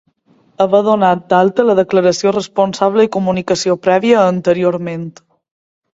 Haver donat d'alta la declaració responsable i comunicació prèvia anteriorment.